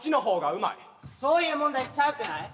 そういう問題ちゃうくない？